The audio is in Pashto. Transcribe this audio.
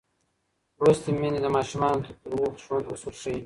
لوستې میندې د ماشومانو د روغ ژوند اصول ښيي.